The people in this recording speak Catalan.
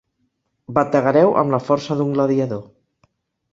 Bategareu amb la força d'un gladiador.